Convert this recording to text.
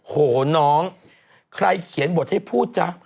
โหน้องใครเขียนบทให้พูดจ๊ะ